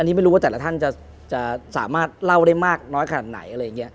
อันนี้ไม่รู้ว่าแต่ละท่านจะสามารถเล่าได้มากน้อยขนาดไหนอะไรอย่างนี้